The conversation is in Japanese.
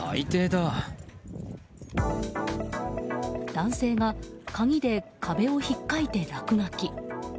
男性が鍵で壁を引っかいて落書き。